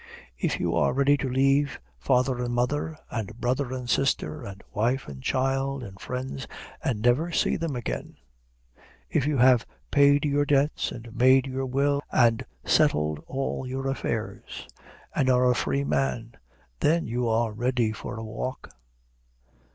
If you are ready to leave father and mother, and brother and sister, and wife and child and friends, and never see them again, if you have paid your debts, and made your will, and settled all your affairs, and are a free man, then you are ready for a walk.